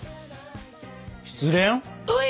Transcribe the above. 失恋？